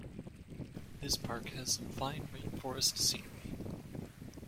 This park has some fine rainforest scenery.